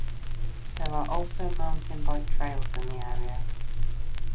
There are also mountain bike trails in the area.